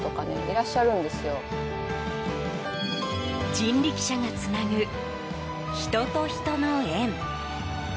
人力車がつなぐ、人と人の縁。